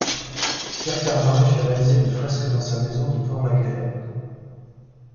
Pierre Cardin lui fait réaliser une fresque dans sa maison de Port La Galère.